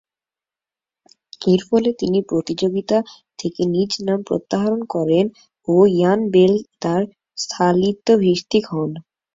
এরফলে তিনি প্রতিযোগিতা থেকে নিজ নাম প্রত্যাহার করেন ও ইয়ান বেল তার স্থলাভিষিক্ত হন।